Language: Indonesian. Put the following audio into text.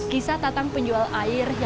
kisah tatang penjual air